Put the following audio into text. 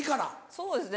そうですね